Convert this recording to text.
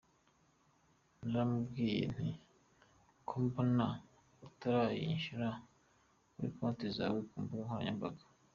Naramubwiye nti ’ko mbona utarayishyira kuri konti zawe ku mbuga nkoranyambaga ?